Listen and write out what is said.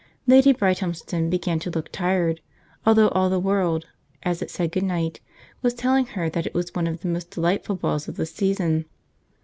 Lady Brighthelmston began to look tired, although all the world, as it said good night, was telling her that it was one of the most delightful balls of the season.